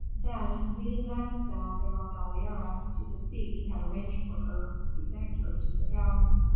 Then, leading Mademoiselle de la Valliere to the seat he had arranged for her, he begged her to sit down.